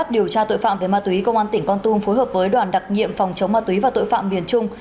đồng phối hợp với đoàn đặc nhiệm phòng chống ma túy và tội phạm miền trung